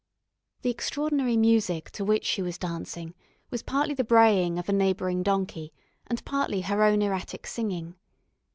The extraordinary music to which she was dancing was partly the braying of a neighbouring donkey, and partly her own erratic singing.